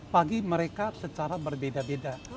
pagi mereka secara berbeda beda